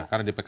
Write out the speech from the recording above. karena di pkpk